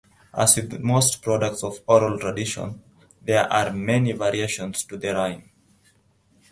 As with most products of oral tradition, there are many variations to the rhyme.